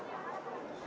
え？